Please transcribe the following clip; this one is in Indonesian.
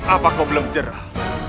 apa kau belum jerah